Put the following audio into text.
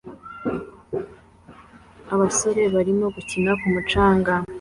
Abasore barimo gukina ku mucanga